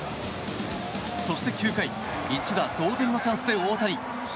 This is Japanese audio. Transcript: そして、９回一打同点のチャンスで大谷。